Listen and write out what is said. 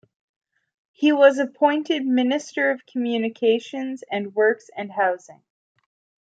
He was appointed Minister of Communications and Works and Housing.